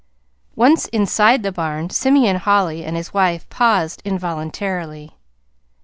Once inside the barn Simeon Holly and his wife paused involuntarily.